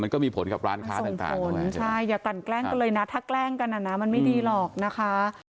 มันก็ทำให้เราในการทำงานเราก็แบบความรู้สึกเราก็แย่นะ